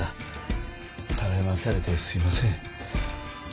たらい回されてすいません。